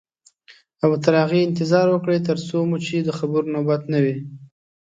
او تر هغې انتظار وکړئ تر څو مو چې د خبرو نوبت نه وي.